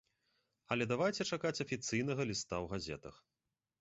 Але давайце чакаць афіцыйнага ліста ў газетах.